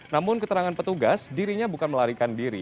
namun keterangan petugas dirinya bukan melarikan diri